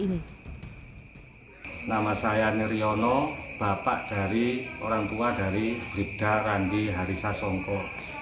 nama saya neryono bapak dari orang tua dari beribda randi hari sasongko